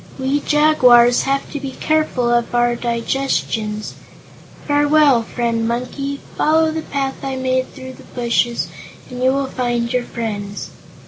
We jaguars have to be careful of our digestions. Farewell, Friend Monkey. Follow the path I made through the bushes and you will find your friends."